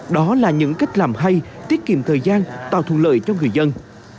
đó là những cách làm hay tiết kiệm thời gian tạo thuận lợi cho người dân